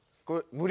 無料？